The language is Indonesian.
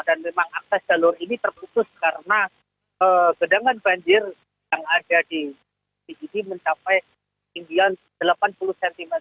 dan memang akses jalur ini terputus karena gedangan banjir yang ada di sini mencapai tinggi delapan puluh cm